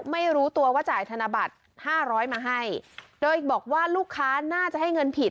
ไม่รู้ตัวว่าจ่ายธนบัตรห้าร้อยมาให้โดยบอกว่าลูกค้าน่าจะให้เงินผิด